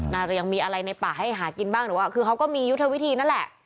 น่าจะยังมีอะไรในป่าให้หากินบ้างหรือว่าคือเขาก็มียุทธวิธีนั่นแหละ